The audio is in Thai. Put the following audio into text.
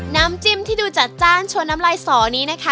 น้ำจิ้มที่ดูจัดจ้านชวนน้ำลายสอนี้นะคะ